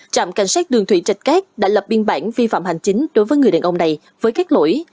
trạm cảnh sát đường thủy rạch cát đã lập biên bản vi phạm hành chính đối với người đàn ông này với các lỗi